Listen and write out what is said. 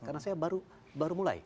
karena saya baru mulai